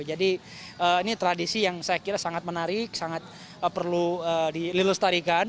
jadi ini tradisi yang saya kira sangat menarik sangat perlu dililustrikan